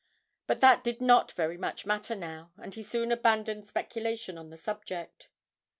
But that did not very much matter now, and he soon abandoned speculation on the subject.